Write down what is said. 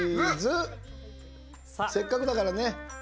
せっかくだから。